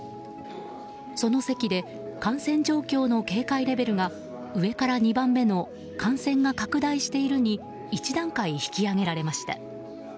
その席で感染状況の警戒レベルが上から２番目の感染が拡大しているに１段階引き上げられました。